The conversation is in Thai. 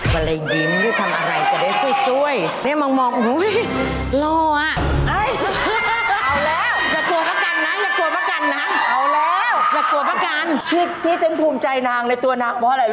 มันเลยยิ้มทำอะไรที่จะได้สวย